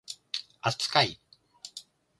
扱い